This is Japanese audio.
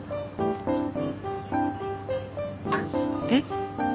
えっ？